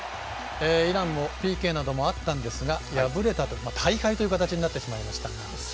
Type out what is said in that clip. イランもＰＫがあったんですが大敗という形になってしまいました。